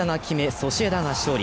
ソシエダが勝利。